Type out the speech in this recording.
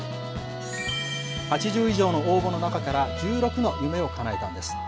８０以上の応募の中から、１６の夢をかなえたんです。